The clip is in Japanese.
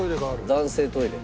男性トイレ。